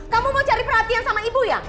kamu mau cari perhatian sama ibu ya